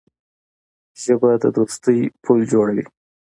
ژبه د دوستۍ پُل جوړوي